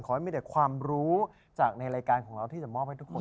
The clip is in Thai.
ให้มีแต่ความรู้จากในรายการของเราที่จะมอบให้ทุกคน